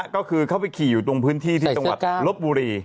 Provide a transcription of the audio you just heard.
ก็คือเขาไปขี่อยู่ตรงพื้นที่ที่จังหวัดลบบุรี